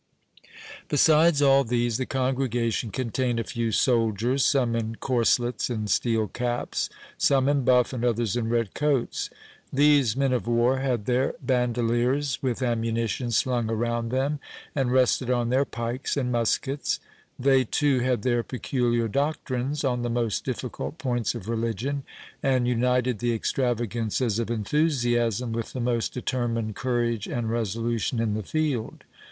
Besides all these, the congregation contained a few soldiers, some in corslets and steel caps, some in buff, and others in red coats. These men of war had their bandeliers, with ammunition, slung around them, and rested on their pikes and muskets. They, too, had their peculiar doctrines on the most difficult points of religion, and united the extravagances of enthusiasm with the most determined courage and resolution in the field.